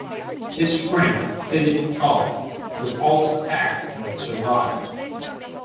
His friend, Phillip Tull, was also attacked but survived.